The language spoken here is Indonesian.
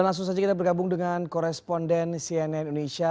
dan langsung saja kita bergabung dengan koresponden cnn indonesia